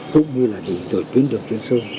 cũng như là để đổi tuyến đường trên sơn